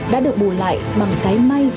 đã được bù lại bằng cái may